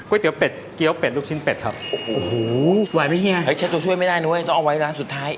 โอ้โหไหวไหมเฮียเชคตัวช่วยไม่ได้หนูเว้ยต้องเอาไว้ร้านสุดท้าย